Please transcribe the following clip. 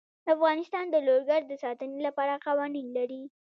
افغانستان د لوگر د ساتنې لپاره قوانین لري.